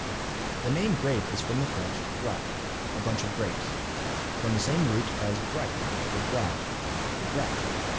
C. C. M. The name grape is from the French grappe, a bunch of grapes; from the same root as gripe or grab, to grasp.